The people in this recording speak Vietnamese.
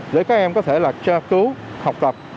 để các em có thể là tra cứu học tập